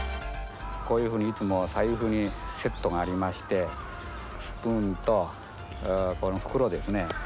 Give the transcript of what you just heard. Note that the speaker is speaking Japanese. こういうふうにいつも財布にセットがありましてスプーンとこの袋ですね。